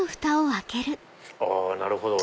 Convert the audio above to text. あなるほど！